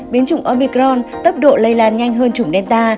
biến chủng omicron tấp độ lây lan nhanh hơn chủng delta